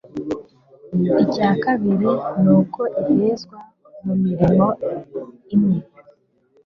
Icya kabiri ni uko ihezwa mu mirimo imwe